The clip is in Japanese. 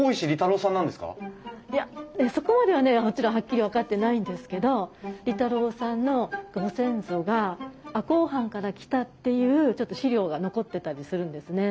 いやそこまではねもちろんはっきり分かってないんですけど利太郎さんのご先祖が赤穂藩から来たっていうちょっと資料が残ってたりするんですね。